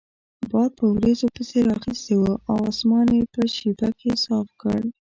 باد په وریځو پسې رااخیستی وو او اسمان یې په شیبه کې صاف کړ.